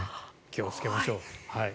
気をつけましょう。